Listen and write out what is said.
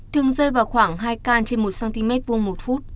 thường rơi vào khoảng hai can trên một cm vuông một phút